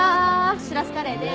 しらすカレーです。